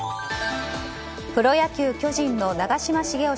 プロ野球、巨人の長嶋茂雄